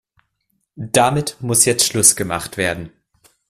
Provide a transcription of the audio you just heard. Damit muss jetzt Schluss gemacht werden.